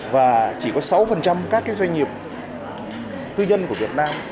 và chỉ có sáu các doanh nghiệp tư nhân của việt nam